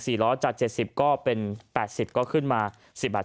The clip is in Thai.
สี่ล้อจาก๗๐บาทเป็น๘๐บาทขึ้นมา๑๐บาท